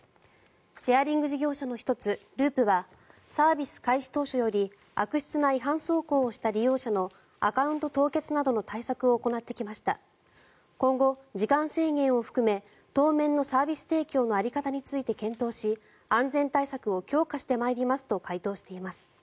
シェアリング事業者の１つＬｕｕｐはサービス開始当初より悪質な違反走行をした利用者のアカウント凍結などの対策を行ってきました今後、時間制限を含め当面のサービス提供の在り方について検討し安全対策を強化してまいりますと回答しています。